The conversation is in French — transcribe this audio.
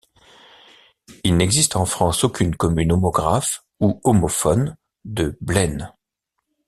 Il n’existe en France aucune commune homographe ou homophone de Blennes.